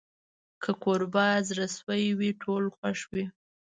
کوربه که زړه سوي وي، ټول خوښ وي.